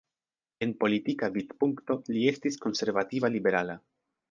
En politika vidpunkto li estis konservativa-liberala.